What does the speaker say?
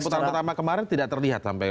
putaran pertama kemarin tidak terlihat sampai